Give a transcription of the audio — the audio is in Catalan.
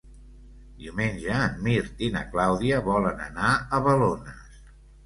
Diumenge en Mirt i na Clàudia volen anar a Balones.